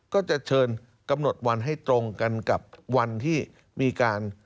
ก็จะเชิญกำหนดวันให้ตรงกันกับวันที่มีการ